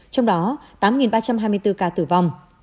trong đó tám ba trăm hai mươi bốn ca tử vong